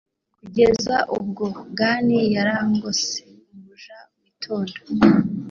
Kugeza ubwo gan yarangose Umuja witonda